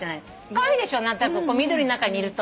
カワイイでしょ緑の中にいると。